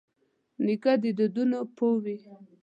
نیکه د دودونو پوه وي.